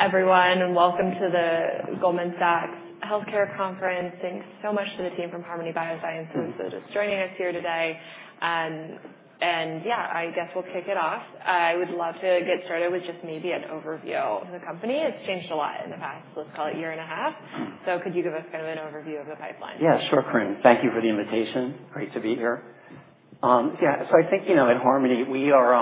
Everyone, welcome to the Goldman Sachs Healthcare conference. Thanks so much to the team from Harmony Biosciences for just joining us here today. Yeah, I guess we'll kick it off. I would love to get started with just maybe an overview of the company. It's changed a lot in the past, let's call it a year and a half. Could you give us kind of an overview of the pipeline? Yeah, sure, Karim, thank you for the invitation. Great to be here. Yeah, I think at Harmony, we are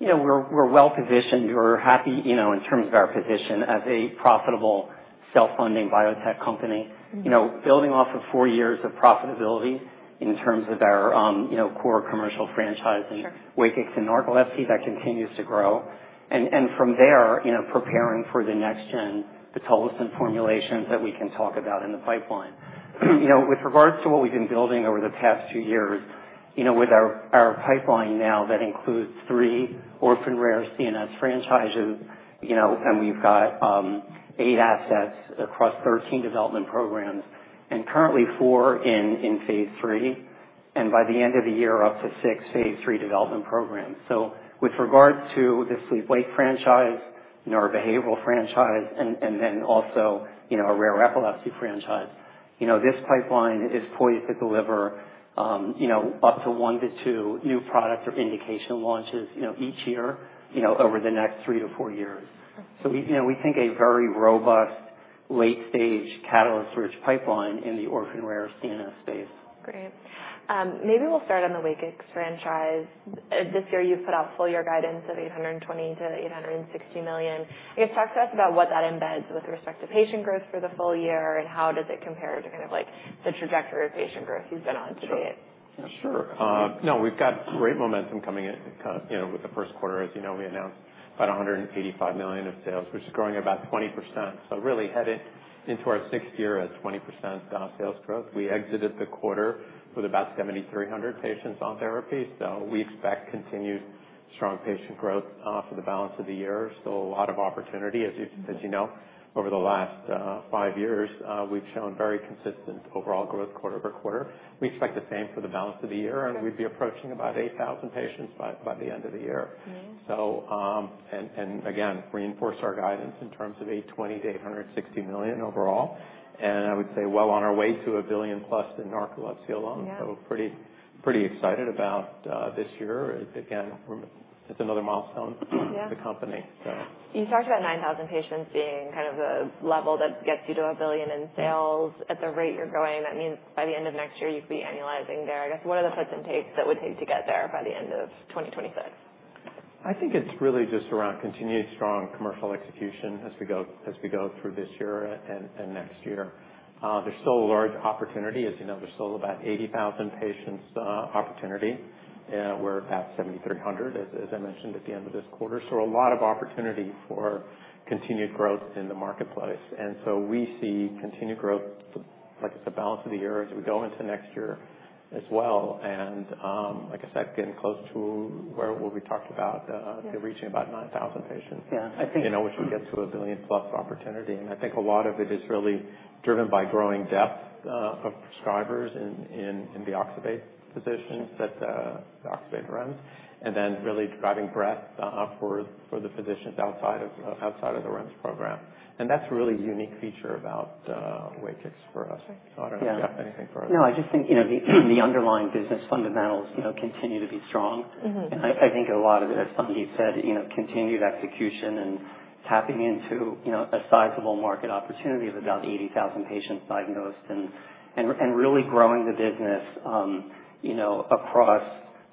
well positioned. We're happy in terms of our position as a profitable self-funding biotech company, building off of four years of profitability in terms of our core commercial franchising, Wakix and narcolepsy, that continues to grow. From there, preparing for the next-gen pitolisant formulations that we can talk about in the pipeline. With regards to what we've been building over the past two years with our pipeline now, that includes three orphan rare CNS franchises, and we've got eight assets across 13 development programs, and currently four in phase III, and by the end of the year, up to six phase III development programs. With regards to the sleep-wake franchise, neurobehavioral franchise, and then also a rare epilepsy franchise, this pipeline is poised to deliver up to one to two new product or indication launches each year over the next three to four years. We think a very robust late-stage catalyst-rich pipeline in the orphan rare CNS space. Great. Maybe we'll start on the Wakix franchise. This year, you've put out full year guidance of $820 million-$860 million. I guess, talk to us about what that embeds with respect to patient growth for the full year, and how does it compare to kind of the trajectory of patient growth you've been on to date? Sure. No, we've got great momentum coming in with the first quarter. As you know, we announced about $185 million in sales, which is growing about 20%. Really headed into our sixth year at 20% sales growth. We exited the quarter with about 7,300 patients on therapy. We expect continued strong patient growth for the balance of the year. Still a lot of opportunity, as you know, over the last five years, we've shown very consistent overall growth quarter-over-quarter. We expect the same for the balance of the year, and we'd be approaching about 8,000 patients by the end of the year. Again, reinforce our guidance in terms of $820-$860 million overall. I would say well on our way to a billion plus in narcolepsy alone. Pretty excited about this year. Again, it's another milestone for the company. You talked about 9,000 patients being kind of the level that gets you to a billion in sales at the rate you're going. That means by the end of next year, you could be annualizing there. I guess, what are the puts and takes that would take to get there by the end of 2026? I think it's really just around continued strong commercial execution as we go through this year and next year. There's still a large opportunity. As you know, there's still about 80,000 patients opportunity. We're about 7,300, as I mentioned at the end of this quarter. A lot of opportunity for continued growth in the marketplace. We see continued growth, like I said, balance of the year as we go into next year as well. Like I said, getting close to where we talked about reaching about 9,000 patients, which will get to a billion plus opportunity. I think a lot of it is really driven by growing depth of prescribers in the oxybate physicians that oxybate runs, and then really driving breadth for the physicians outside of the REMS program. That's a really unique feature about Wakix for us. I don't know if you have anything further. No, I just think the underlying business fundamentals continue to be strong. I think a lot of it, as Sandip said, is continued execution and tapping into a sizable market opportunity of about 80,000 patients diagnosed and really growing the business across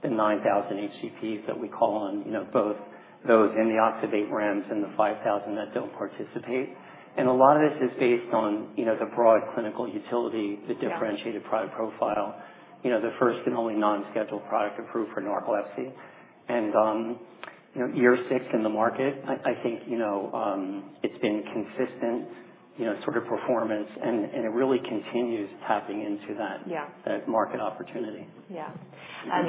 the 9,000 HCPs that we call on, both those in the oxybate REMS and the 5,000 that do not participate. A lot of this is based on the broad clinical utility, the differentiated product profile, the first and only non-scheduled product approved for narcolepsy. Year six in the market, I think it has been consistent sort of performance, and it really continues tapping into that market opportunity. Yeah.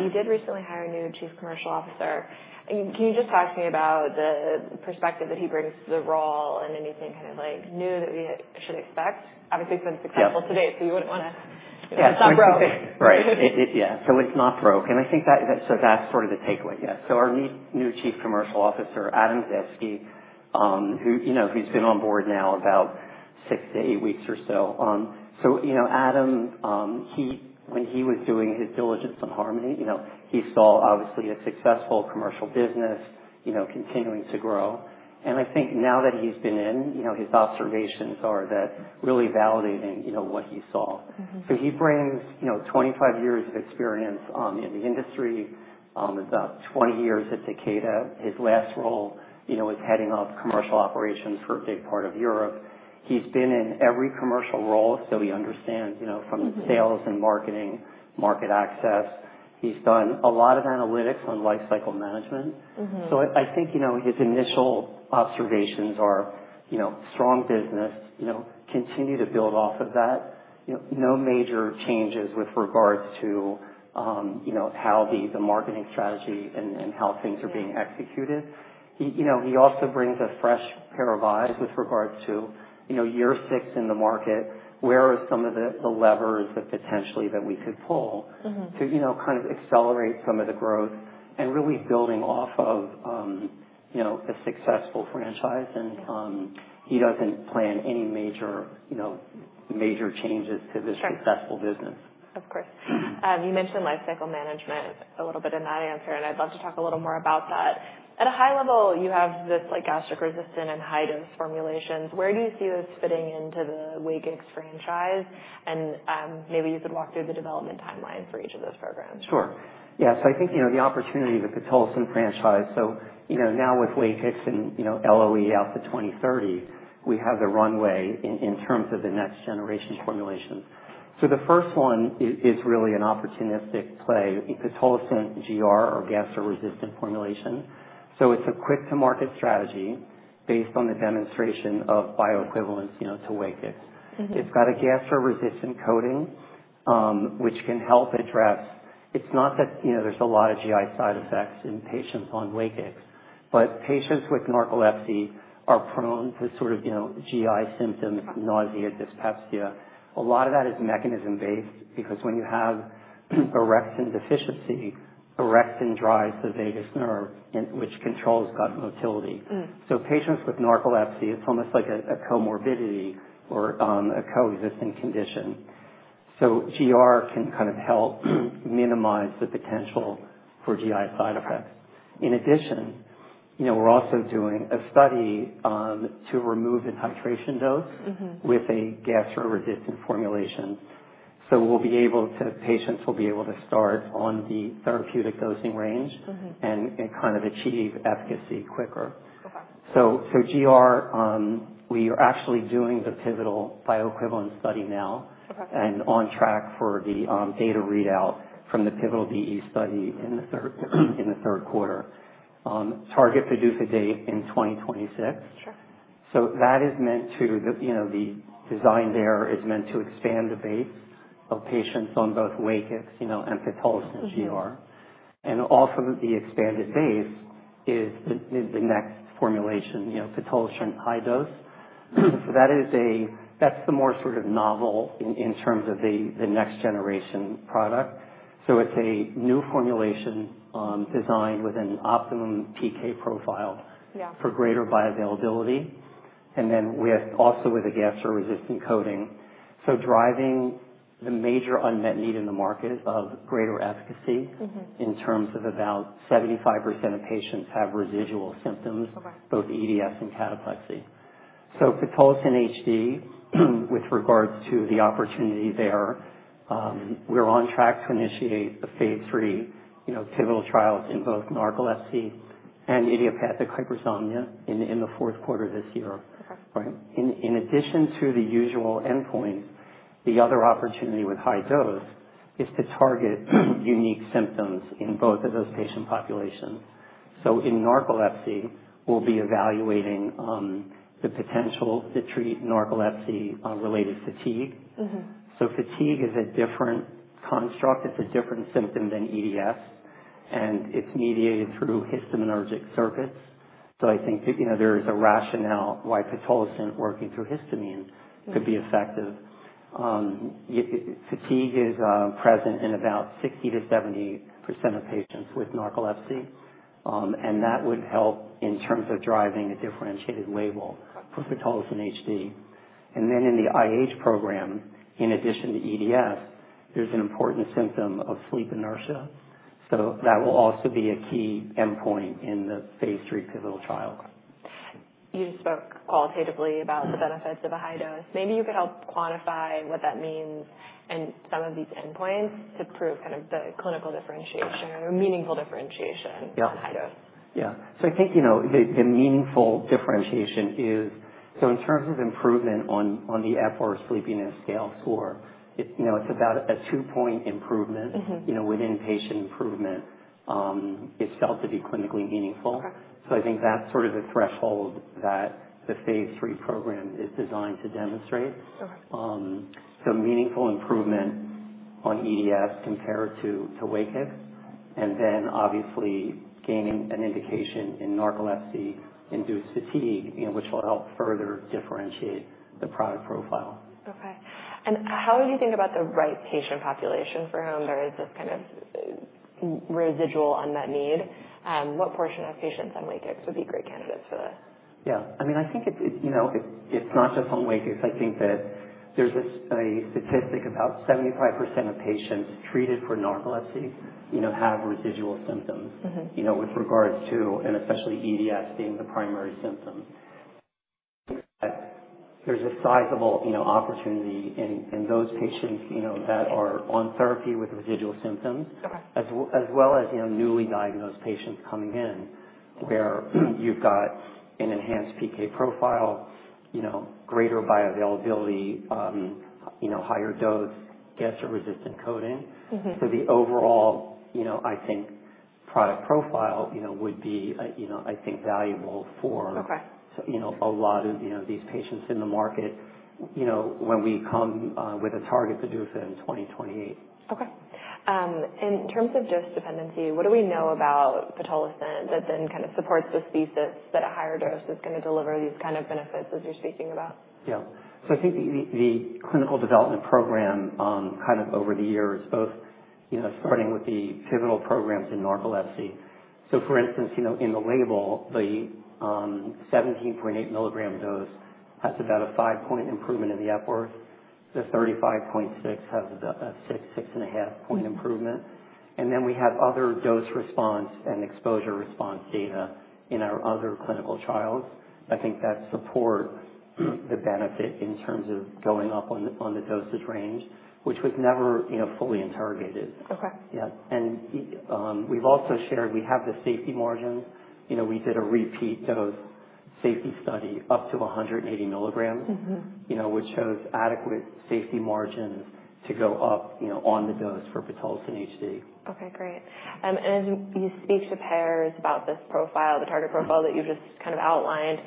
You did recently hire a new Chief Commercial Officer. Can you just talk to me about the perspective that he brings to the role and anything kind of new that we should expect? Obviously, it's been successful to date, so you wouldn't want to, it's not broke. Right. Yeah. So it's not broke. I think that's sort of the takeaway. Yeah. Our new Chief Commercial Officer, Adam Zaeske, who's been on board now about six to eight weeks or so. Adam, when he was doing his diligence on Harmony, he saw obviously a successful commercial business continuing to grow. I think now that he's been in, his observations are that really validating what he saw. He brings 25 years of experience in the industry, about 20 years at Takeda. His last role was heading up commercial operations for a big part of Europe. He's been in every commercial role, so he understands from sales and marketing, market access. He's done a lot of analytics on life cycle management. I think his initial observations are strong business, continue to build off of that. No major changes with regards to how the marketing strategy and how things are being executed. He also brings a fresh pair of eyes with regards to year six in the market, where are some of the levers that potentially that we could pull to kind of accelerate some of the growth and really building off of a successful franchise. He does not plan any major changes to this successful business. Of course. You mentioned life cycle management a little bit in that answer, and I'd love to talk a little more about that. At a high level, you have this gastric resistant and high-dose formulations. Where do you see those fitting into the Wakix franchise? Maybe you could walk through the development timeline for each of those programs. Sure. Yeah. I think the opportunity of the pitolisant franchise, so now with Wakix and LOE out to 2030, we have the runway in terms of the next generation formulations. The first one is really an opportunistic play, pitolisant GR or gastric resistant formulation. It is a quick-to-market strategy based on the demonstration of bioequivalence to Wakix. It has a gastric resistant coating, which can help address. It is not that there is a lot of GI side effects in patients on Wakix, but patients with narcolepsy are prone to sort of GI symptoms, nausea, dyspepsia. A lot of that is mechanism-based because when you have an orexin deficiency, orexin drives the vagus nerve, which controls gut motility. Patients with narcolepsy, it is almost like a comorbidity or a coexisting condition. GR can kind of help minimize the potential for GI side effects. In addition, we're also doing a study to remove the titration dose with a gastric resistant formulation. Patients will be able to start on the therapeutic dosing range and kind of achieve efficacy quicker. GR, we are actually doing the pivotal bioequivalence study now and on track for the data readout from the pivotal BE study in the third quarter. Target to do for date in 2026. That is meant to, the design there is meant to expand the base of patients on both Wakix and Wakix GR. Off of the expanded base is the next formulation, Wakix high dose. That is the more sort of novel in terms of the next generation product. It is a new formulation designed with an optimum PK profile for greater bioavailability, and then also with a gastric resistant coating. Driving the major unmet need in the market of greater efficacy in terms of about 75% of patients have residual symptoms, both EDS and cataplexy. Pitolisant HD, with regards to the opportunity there, we're on track to initiate the phase III pivotal trials in both narcolepsy and idiopathic hypersomnia in the fourth quarter this year. In addition to the usual endpoint, the other opportunity with high dose is to target unique symptoms in both of those patient populations. In narcolepsy, we'll be evaluating the potential to treat narcolepsy-related fatigue. Fatigue is a different construct. It's a different symptom than EDS, and it's mediated through histaminergic circuits. I think there is a rationale why Pitolisant working through histamine could be effective. Fatigue is present in about 60%-70% of patients with narcolepsy, and that would help in terms of driving a differentiated label for Pitolisant HD. In the IH program, in addition to EDS, there is an important symptom of sleep inertia. That will also be a key endpoint in the phase III pivotal trial. You spoke qualitatively about the benefits of a high dose. Maybe you could help quantify what that means and some of these endpoints to prove kind of the clinical differentiation or meaningful differentiation on high dose. Yeah. I think the meaningful differentiation is, in terms of improvement on the Epworth Sleepiness Scale score, it's about a two-point improvement within patient improvement. It's felt to be clinically meaningful. I think that's sort of the threshold that the phase III program is designed to demonstrate. Meaningful improvement on EDS compared to Wakix. Obviously gaining an indication in narcolepsy-induced fatigue, which will help further differentiate the product profile. Okay. How would you think about the right patient population for whom there is this kind of residual unmet need? What portion of patients on Wakix would be great candidates for this? Yeah. I mean, I think it's not just on Wakix. I think that there's a statistic about 75% of patients treated for narcolepsy have residual symptoms with regards to, and especially EDS being the primary symptom. There's a sizable opportunity in those patients that are on therapy with residual symptoms, as well as newly diagnosed patients coming in where you've got an enhanced PK profile, greater bioavailability, higher dose, gastric resistant coating. The overall, I think, product profile would be, I think, valuable for a lot of these patients in the market when we come with a target to do for them in 2028. Okay. In terms of dose dependency, what do we know about pitolisant that then kind of supports the thesis that a higher dose is going to deliver these kind of benefits as you're speaking about? Yeah. I think the clinical development program kind of over the years, both starting with the pivotal programs in narcolepsy. For instance, in the label, the 17.8 mg dose has about a five-point improvement in the Epworth. The 35.6 has a six, 6.5 point improvement. We have other dose response and exposure response data in our other clinical trials. I think that supports the benefit in terms of going up on the dosage range, which was never fully interrogated. Yeah. We have also shared we have the safety margins. We did a repeat dose safety study up to 180 mg, which shows adequate safety margins to go up on the dose for Wakix HD. Okay. Great. As you speak to payers about this profile, the target profile that you have just kind of outlined,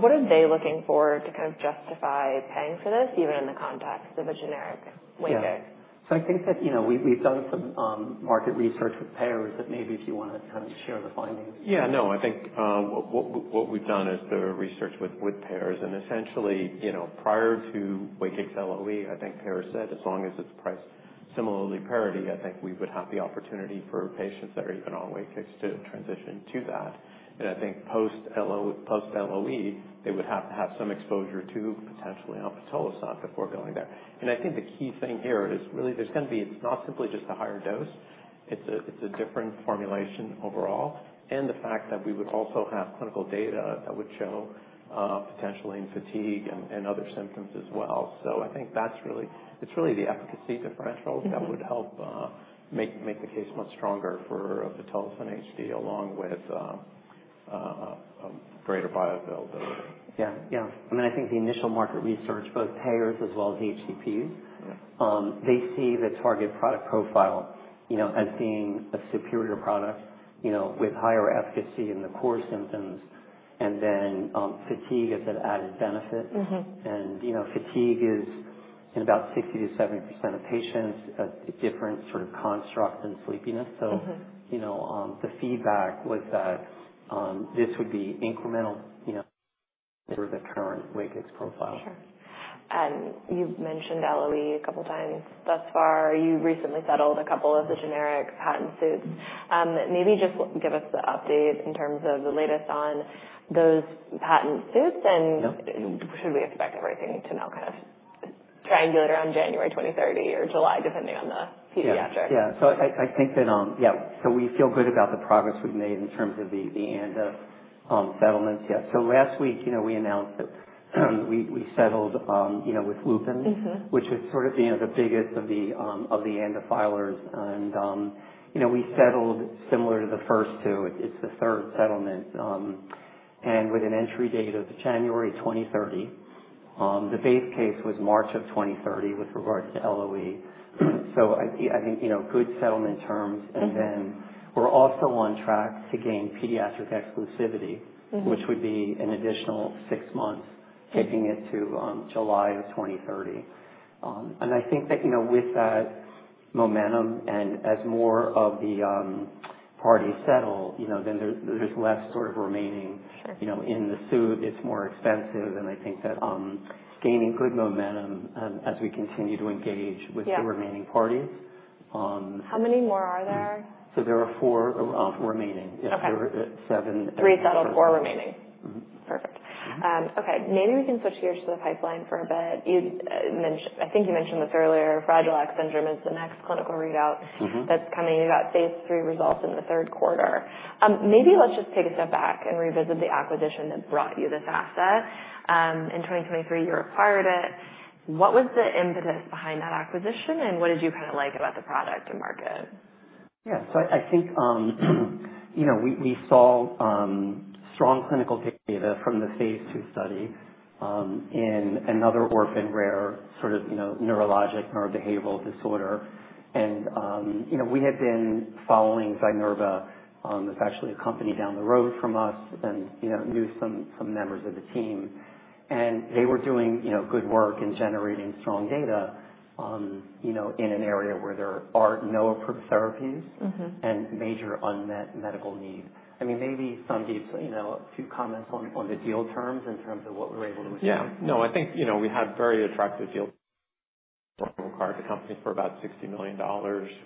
what are they looking for to kind of justify paying for this, even in the context of a generic Wakix? Yeah. I think that we've done some market research with payers, but maybe if you want to kind of share the findings. Yeah. No, I think what we've done is the research with payers. Essentially, prior to Wakix LOE, I think payers said, as long as it's priced similarly, parity, I think we would have the opportunity for patients that are even on Wakix to transition to that. I think post-LOE, they would have to have some exposure to potentially on Wakix before going there. I think the key thing here is really there's going to be, it's not simply just a higher dose. It's a different formulation overall. The fact that we would also have clinical data that would show potential in fatigue and other symptoms as well. I think that's really, it's really the efficacy differentials that would help make the case much stronger for Wakix HD along with greater bioavailability. Yeah. Yeah. I mean, I think the initial market research, both payers as well as HCPs, they see the target product profile as being a superior product with higher efficacy in the core symptoms and then fatigue as an added benefit. And fatigue is in about 60%-70% of patients, a different sort of construct than sleepiness. So the feedback was that this would be incremental for the current Wakix profile. Sure. You have mentioned LOE a couple of times thus far. You recently settled a couple of the generic patent suits. Maybe just give us the update in terms of the latest on those patent suits, and should we expect everything to now kind of triangulate around January 2030 or July, depending on the pediatric? Yeah. Yeah. I think that, yeah. We feel good about the progress we've made in terms of the ANDA settlements. Yeah. Last week, we announced that we settled with Lupin, which was sort of the biggest of the ANDA filers. We settled similar to the first two. It's the third settlement, with an entry date of January 2030. The base case was March of 2030 with regards to LOE. I think good settlement terms. We're also on track to gain pediatric exclusivity, which would be an additional six months, taking it to July of 2030. I think that with that momentum and as more of the parties settle, then there's less sort of remaining in the suit. It's more expensive. I think that gaining good momentum as we continue to engage with the remaining parties. How many more are there? There are four remaining. Yeah. There are seven. Three settled, four remaining. Perfect. Okay. Maybe we can switch gears to the pipeline for a bit. I think you mentioned this earlier. Fragile X syndrome is the next clinical readout that's coming. You got phase III results in the third quarter. Maybe let's just take a step back and revisit the acquisition that brought you this asset. In 2023, you acquired it. What was the impetus behind that acquisition, and what did you kind of like about the product and market? Yeah. I think we saw strong clinical data from the phase II study in another orphan rare sort of neurologic neurobehavioral disorder. We had been following Zynerba. It was actually a company down the road from us and knew some members of the team. They were doing good work in generating strong data in an area where there are no approved therapies and major unmet medical need. I mean, maybe Sandip, a few comments on the deal terms in terms of what we were able to achieve. Yeah. No, I think we had very attractive deals. We acquired the company for about $60 million.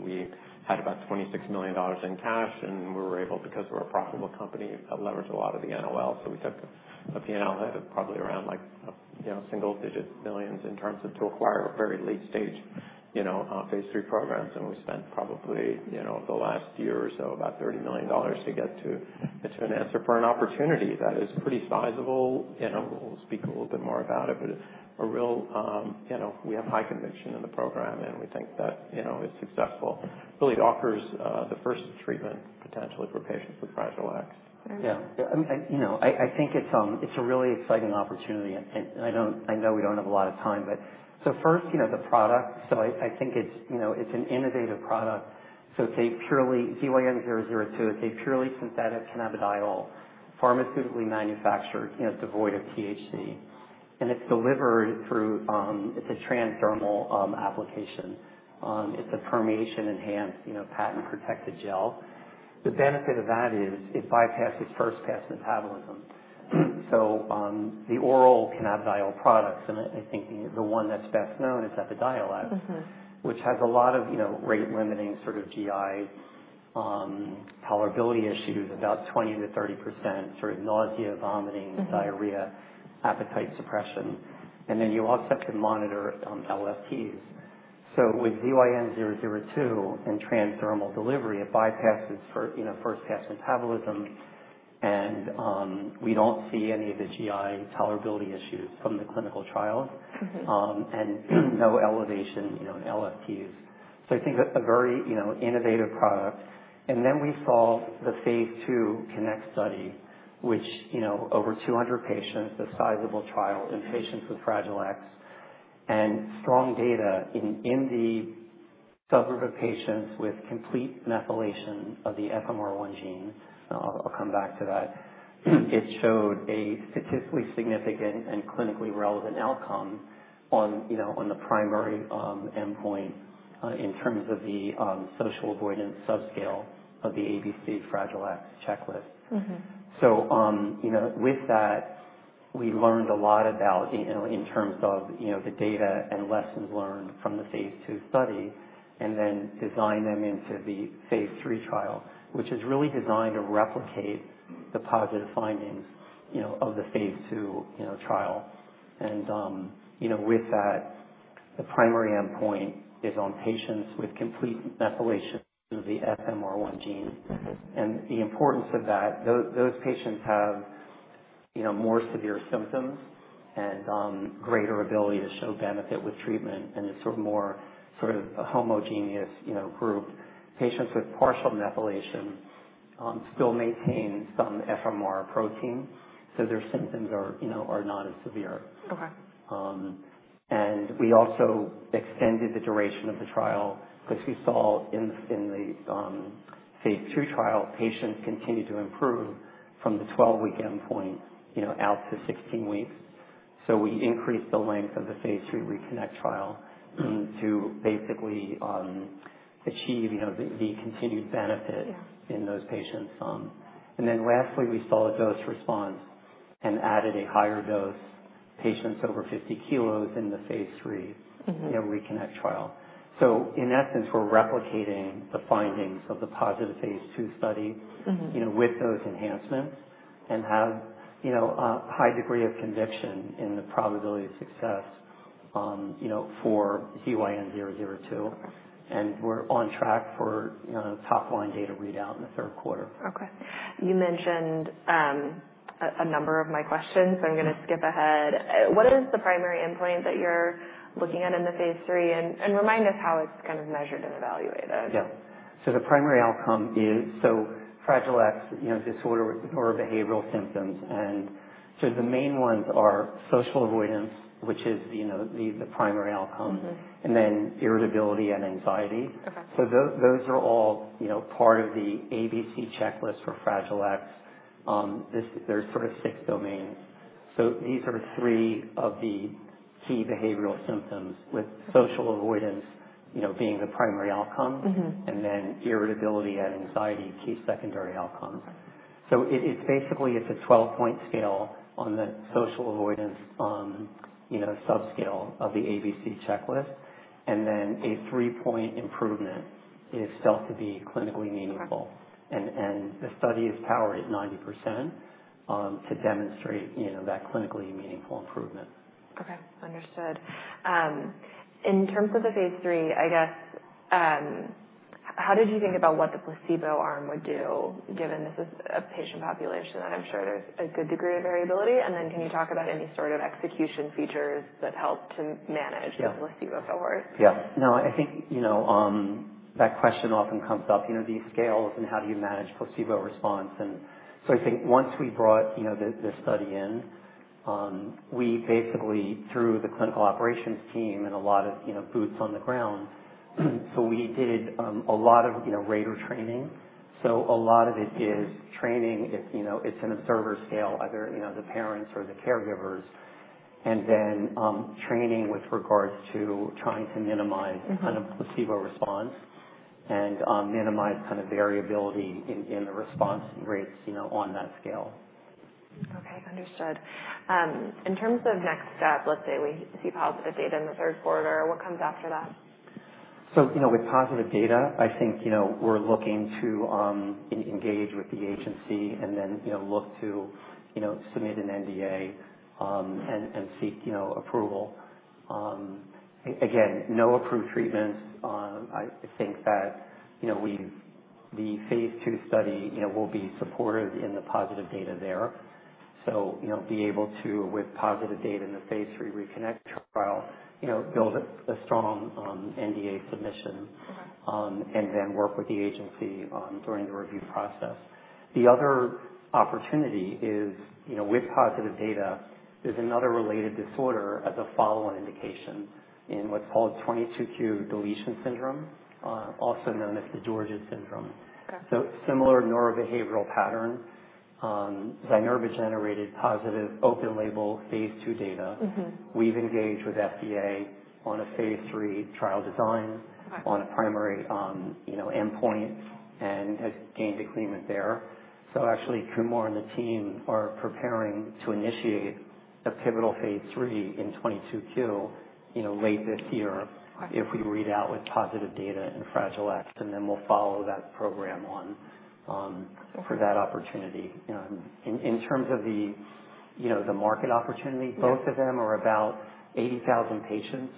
We had about $26 million in cash, and we were able, because we're a profitable company, to leverage a lot of the NOL. So we took a P&L hit of probably around single-digit millions in terms of to acquire very late-stage phase III programs. And we spent probably the last year or so about $30 million to get to an answer for an opportunity that is pretty sizable. We'll speak a little bit more about it, but we have high conviction in the program, and we think that if it's successful, really offers the first treatment potentially for patients with Fragile X. Yeah. I think it's a really exciting opportunity. I know we don't have a lot of time, but first, the product. I think it's an innovative product. It's purely ZYN002. It's a purely synthetic cannabidiol, pharmaceutically manufactured, devoid of THC. It's delivered through, it's a transdermal application. It's a permeation-enhanced, patent-protected gel. The benefit of that is it bypasses first-pass metabolism. The oral cannabidiol products, and I think the one that's best known is Epidiolex, which has a lot of rate-limiting sort of GI tolerability issues, about 20%-30% sort of nausea, vomiting, diarrhea, appetite suppression. You also have to monitor LFTs. With ZYN002 and transdermal delivery, it bypasses first-pass metabolism, and we don't see any of the GI tolerability issues from the clinical trials and no elevation in LFTs. I think a very innovative product. Then we saw the phase II CONNECT study, which, over 200 patients, a sizable trial in patients with Fragile X, and strong data in the subgroup of patients with complete methylation of the FMR1 gene. I'll come back to that. It showed a statistically significant and clinically relevant outcome on the primary endpoint in terms of the social avoidance subscale of the ABC Fragile X checklist. With that, we learned a lot about, in terms of the data and lessons learned from the phase II study, and then designed them into the phase III trial, which is really designed to replicate the positive findings of the phase II trial. With that, the primary endpoint is on patients with complete methylation of the FMR1 gene. The importance of that is those patients have more severe symptoms and greater ability to show benefit with treatment, and it is sort of more of a homogeneous group. Patients with partial methylation still maintain some FMR protein, so their symptoms are not as severe. We also extended the duration of the trial because we saw in the phase II trial, patients continued to improve from the 12 weeks endpoint out to 16 weeks. We increased the length of the phase III RECONNECT trial to basically achieve the continued benefit in those patients. Lastly, we saw a dose response and added a higher dose for patients over 50 kg in the phase III RECONNECT trial. In essence, we are replicating the findings of the positive phase II study with those enhancements and have a high degree of conviction in the probability of success for ZYN002. We're on track for top-line data readout in the third quarter. Okay. You mentioned a number of my questions, so I'm going to skip ahead. What is the primary endpoint that you're looking at in the phase III? And remind us how it's kind of measured and evaluated. Yeah. The primary outcome is Fragile X disorder with neurobehavioral symptoms. The main ones are social avoidance, which is the primary outcome, and then irritability and anxiety. Those are all part of the ABC checklist for Fragile X. There are sort of six domains. These are three of the key behavioral symptoms, with social avoidance being the primary outcome, and then irritability and anxiety key secondary outcomes. It is basically a 12-point scale on the social avoidance subscale of the ABC checklist. A three-point improvement is felt to be clinically meaningful. The study is powered at 90% to demonstrate that clinically meaningful improvement. Okay. Understood. In terms of the phase III, I guess, how did you think about what the placebo arm would do given this is a patient population that I'm sure there's a good degree of variability? Can you talk about any sort of execution features that help to manage the placebo cohort? Yeah. Yeah. No, I think that question often comes up, these scales and how do you manage placebo response. I think once we brought the study in, we basically threw the clinical operations team and a lot of boots on the ground. We did a lot of rater training. A lot of it is training. It's an observer scale, either the parents or the caregivers, and then training with regards to trying to minimize kind of placebo response and minimize kind of variability in the response rates on that scale. Okay. Understood. In terms of next step, let's say we see positive data in the third quarter, what comes after that? With positive data, I think we're looking to engage with the agency and then look to submit an NDA and seek approval. Again, no approved treatments. I think that the phase II study will be supported in the positive data there. Be able to, with positive data in the phase III RECONNECT trial, build a strong NDA submission and then work with the agency during the review process. The other opportunity is with positive data, there's another related disorder as a follow-on indication in what's called 22q deletion syndrome, also known as DiGeorge syndrome. Similar neurobehavioral pattern, Zynerba-generated positive open-label phase II data. We've engaged with FDA on a phase III trial design on a primary endpoint and have gained agreement there. Actually, Kumar and the team are preparing to initiate a pivotal phase III in 22q late this year if we read out with positive data in Fragile X, and then we'll follow that program on for that opportunity. In terms of the market opportunity, both of them are about 80,000 patients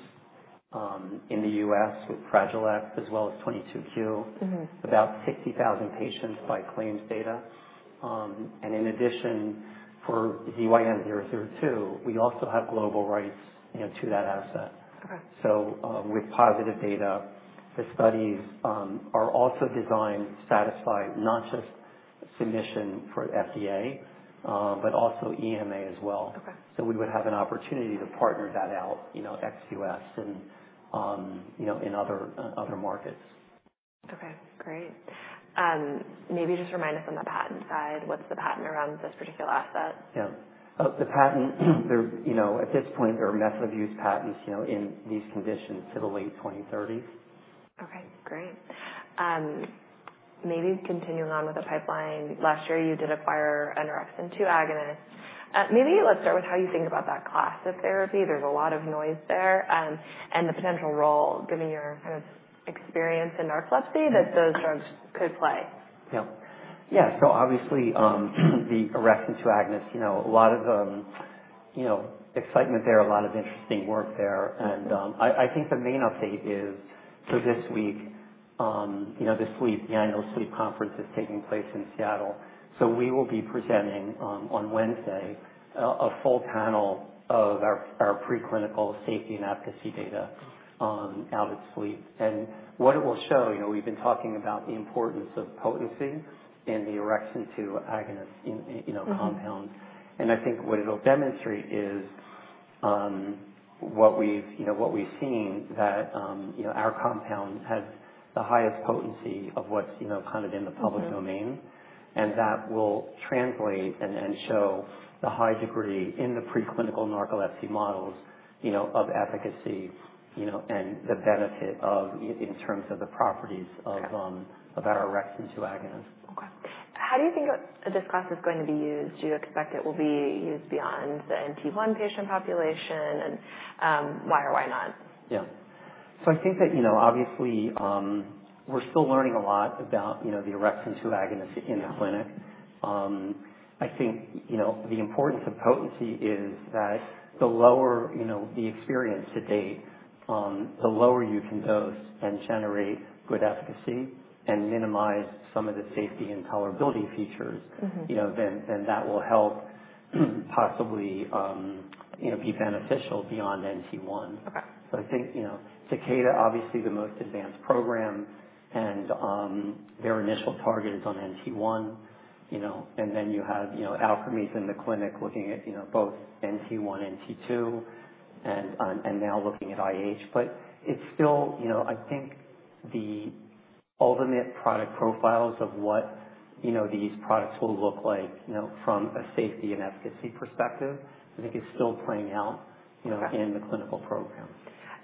in the U.S. with Fragile X as well as 22q, about 60,000 patients by claims data. In addition, for ZYN002, we also have global rights to that asset. With positive data, the studies are also designed to satisfy not just submission for FDA, but also EMA as well. We would have an opportunity to partner that out, ex-U.S., and in other markets. Okay. Great. Maybe just remind us on the patent side. What's the patent around this particular asset? Yeah. The patent, at this point, there are method of use patents in these conditions to the late 2030s. Okay. Great. Maybe continuing on with the pipeline. Last year, you did acquire orexin-2 agonists. Maybe let's start with how you think about that class of therapy. There's a lot of noise there. And the potential role, given your kind of experience in narcolepsy, that those drugs could play. Yeah. Yeah. Obviously, the orexin-2 agonists, a lot of excitement there, a lot of interesting work there. I think the main update is for this week, the sleep, the Annual SLEEP conference is taking place in Seattle. We will be presenting on Wednesday a full panel of our preclinical safety and efficacy data out of sleep. What it will show, we've been talking about the importance of potency in the orexin-2 agonist compound. I think what it will demonstrate is what we've seen, that our compound has the highest potency of what's kind of in the public domain. That will translate and show the high degree in the preclinical narcolepsy models of efficacy and the benefit in terms of the properties of our orexin-2 agonist. Okay. How do you think this class is going to be used? Do you expect it will be used beyond the NT1 patient population? Why or why not? Yeah. I think that obviously, we're still learning a lot about the orexin-2 agonist in the clinic. I think the importance of potency is that the lower the experience to date, the lower you can dose and generate good efficacy and minimize some of the safety and tolerability features, then that will help possibly be beneficial beyond NT1. I think Takeda, obviously, the most advanced program, and their initial target is on NT1. You have Alchemies in the clinic looking at both NT1, NT2, and now looking at IH. It's still, I think, the ultimate product profiles of what these products will look like from a safety and efficacy perspective, I think is still playing out in the clinical program.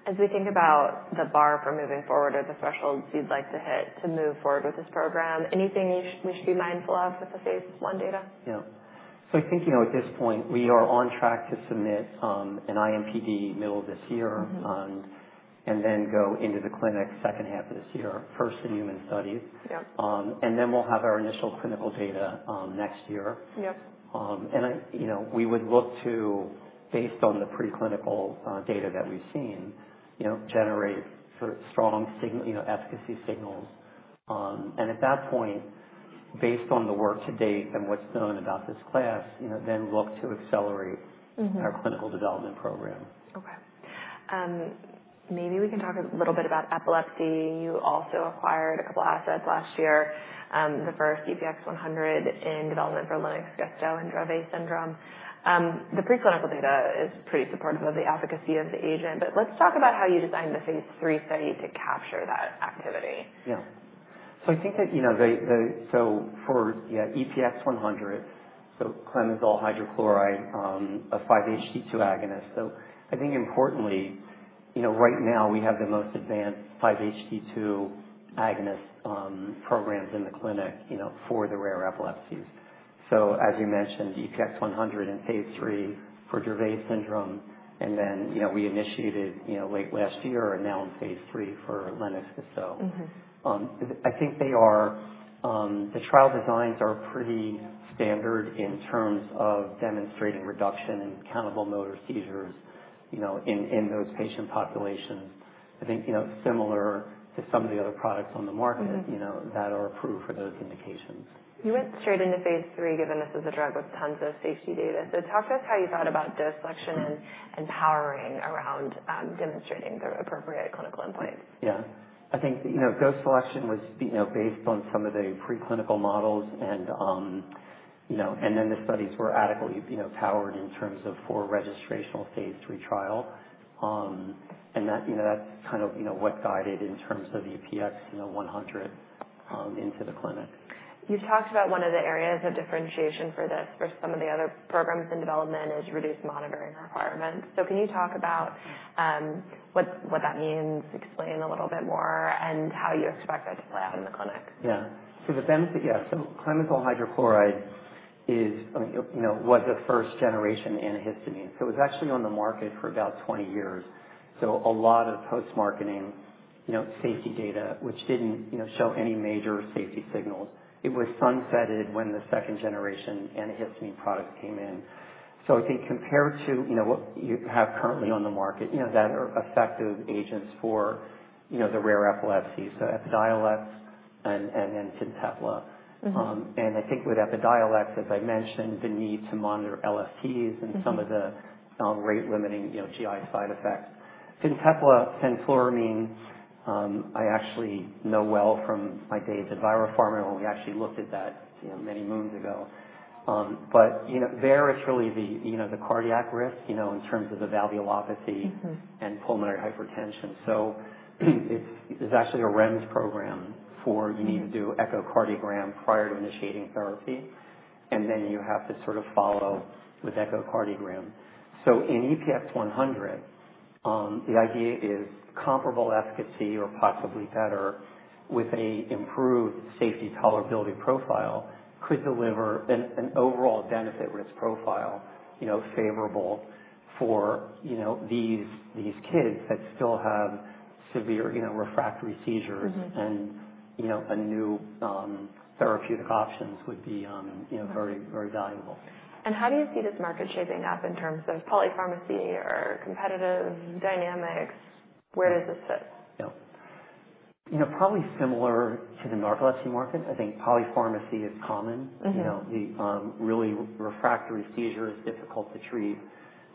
As we think about the bar for moving forward or the thresholds you'd like to hit to move forward with this program, anything we should be mindful of with the phase I data? Yeah. I think at this point, we are on track to submit an IMPD middle of this year and then go into the clinic second half of this year, first in human studies. We will have our initial clinical data next year. We would look to, based on the preclinical data that we have seen, generate strong efficacy signals. At that point, based on the work to date and what is known about this class, look to accelerate our clinical development program. Okay. Maybe we can talk a little bit about epilepsy. You also acquired a couple of assets last year, the first EPX-100 in development for Lennox-Gastaut and Dravet syndrome. The preclinical data is pretty supportive of the efficacy of the agent. Let's talk about how you designed the phase III study to capture that activity. Yeah. So I think that so for EPX-100, so clemizole hydrochloride, a 5-HT2 agonist. So I think importantly, right now, we have the most advanced 5-HT2 agonist programs in the clinic for the rare epilepsies. So as you mentioned, EPX-100 in phase III for Dravet syndrome, and then we initiated late last year and now in phase III for Lennox-Gastaut. I think the trial designs are pretty standard in terms of demonstrating reduction in countable motor seizures in those patient populations. I think similar to some of the other products on the market that are approved for those indications. You went straight into phase III, given this is a drug with tons of safety data. Talk to us how you thought about dose selection and powering around demonstrating the appropriate clinical endpoints. Yeah. I think dose selection was based on some of the preclinical models, and then the studies were adequately powered in terms of for registrational phase III trial. And that's kind of what guided in terms of EPX-100 into the clinic. You've talked about one of the areas of differentiation for this, for some of the other programs in development, is reduced monitoring requirements. Can you talk about what that means, explain a little bit more, and how you expect that to play out in the clinic? Yeah. So clemizole hydrochloride was a first-generation antihistamine. It was actually on the market for about 20 years. A lot of post-marketing safety data, which did not show any major safety signals. It was sunsetted when the second-generation antihistamine product came in. I think compared to what you have currently on the market, that are effective agents for the rare epilepsy, so Epidiolex and then Fintepla. I think with Epidiolex, as I mentioned, the need to monitor LFTs and some of the rate-limiting GI side effects. Fintepla, fenfluramine, I actually know well from my days at Biopharma when we actually looked at that many moons ago. There, it is really the cardiac risk in terms of the valvulopathy and pulmonary hypertension. There is actually a REMS program for you need to do echocardiogram prior to initiating therapy, and then you have to sort of follow with echocardiogram. In EPX-100, the idea is comparable efficacy or possibly better with an improved safety tolerability profile could deliver an overall benefit risk profile favorable for these kids that still have severe refractory seizures. New therapeutic options would be very, very valuable. How do you see this market shaping up in terms of polypharmacy or competitive dynamics? Where does this fit? Yeah. Probably similar to the narcolepsy market. I think polypharmacy is common. The really refractory seizure is difficult to treat.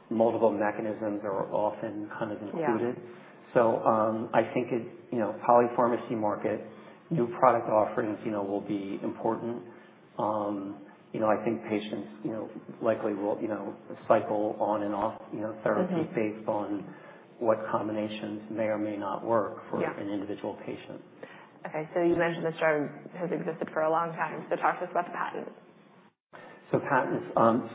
Multiple mechanisms are often kind of included. I think polypharmacy market, new product offerings will be important. I think patients likely will cycle on and off therapy based on what combinations may or may not work for an individual patient. Okay. So you mentioned this drug has existed for a long time. So talk to us about the patent. Patents,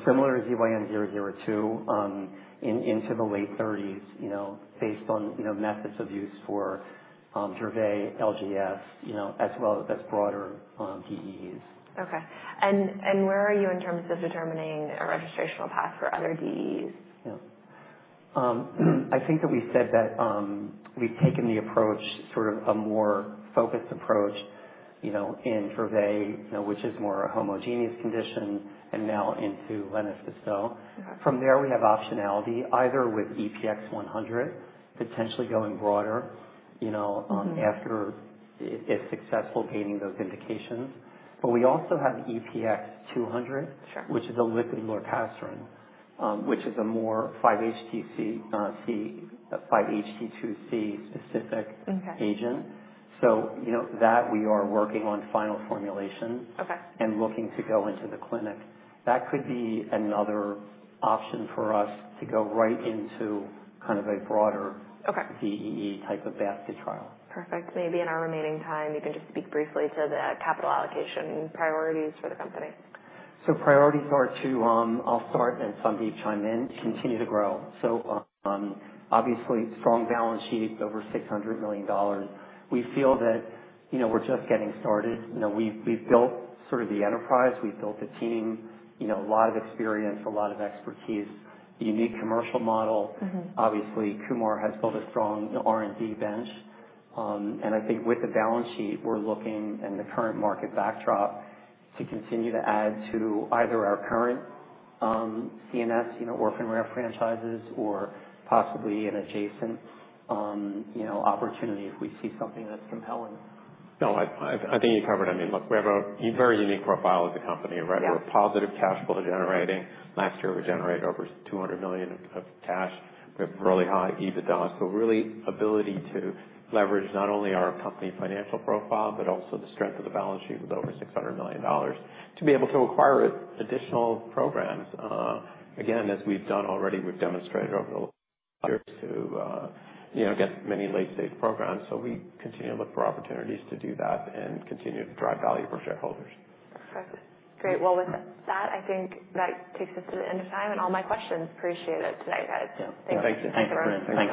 similar as ZYN002, into the late 2030s based on methods of use for Dravet, LGS, as well as broader DEEs. Okay. Where are you in terms of determining a registrational path for other DEEs? Yeah. I think that we said that we've taken the approach, sort of a more focused approach in Dravet, which is more a homogeneous condition, and now into Lennox-Gastaut. From there, we have optionality either with EPX-100, potentially going broader after it's successful gaining those indications. But we also have EPX-200, which is a lipid lorcaserin, which is a more 5-HT2C specific agent. So that we are working on final formulation and looking to go into the clinic. That could be another option for us to go right into kind of a broader DEE type of basket trial. Perfect. Maybe in our remaining time, you can just speak briefly to the capital allocation priorities for the company. Priorities are to, I'll start, and Sandip, chime in, continue to grow. Obviously, strong balance sheet, over $600 million. We feel that we're just getting started. We've built sort of the enterprise. We've built a team, a lot of experience, a lot of expertise, unique commercial model. Obviously, Kumar has built a strong R&D bench. I think with the balance sheet, we're looking in the current market backdrop to continue to add to either our current CNS orphan rare franchises or possibly an adjacent opportunity if we see something that's compelling. No, I think you covered it. I mean, look, we have a very unique profile as a company. We're a positive cash flow generating. Last year, we generated over $200 million of cash. We have really high EBITDA. So really, ability to leverage not only our company financial profile, but also the strength of the balance sheet with over $600 million to be able to acquire additional programs. Again, as we've done already, we've demonstrated over the years to get many late-stage programs. So we continue to look for opportunities to do that and continue to drive value for shareholders. Perfect. Great. With that, I think that takes us to the end of time and all my questions. Appreciate it tonight, guys. Thanks so much. Yeah. Thank you. Thanks for everything.